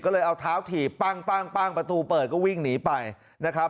ก็เลยเอาเท้าถีบปั้งประตูเปิดก็วิ่งหนีไปนะครับ